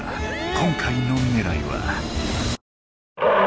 今回のねらいは。